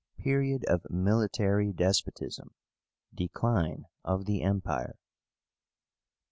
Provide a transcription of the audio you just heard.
PERIOD OF MILITARY DESPOTISM. DECLINE OF THE EMPIRE.